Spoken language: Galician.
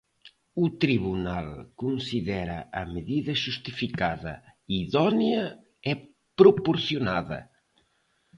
O tribunal considera a medida xustificada, idónea e proporcionada.